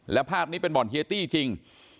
และภาพนี้เป็นบ่อนเฮียตี้จริง